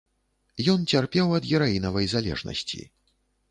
Ён цярпеў ад гераінавай залежнасці.